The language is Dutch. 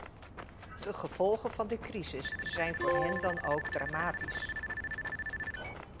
De gevolgen van de crisis zijn voor hen dan ook dramatisch.